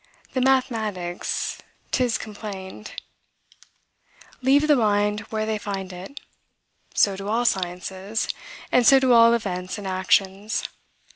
The mathematics, 'tis complained, leave the mind where they find it: so do all sciences; and so do all events and actions.